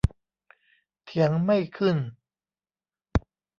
เถียงไม่ขึ้น